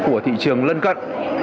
của thị trường lân cận